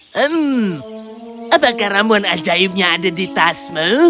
hmm apakah ramuan ajaibnya ada di tasmu